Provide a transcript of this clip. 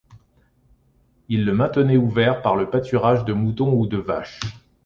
Ils les maintenaient ouverts par le pâturage de moutons ou de vaches.